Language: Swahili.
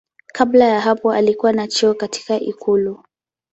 Kabla ya hapo alikuwa na cheo katika ikulu.